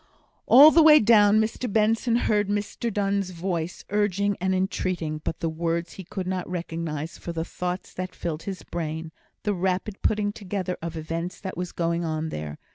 All the way down, Mr Benson heard Mr Donne's voice urging and entreating, but the words he could not recognise for the thoughts that filled his brain the rapid putting together of events that was going on there.